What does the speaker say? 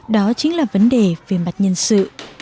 đó chính là vấn đề về mặt nhân sự